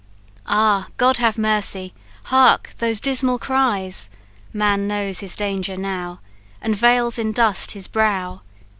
"Ah, God have mercy! hark! those dismal cries Man knows his danger now, And veils in dust his brow.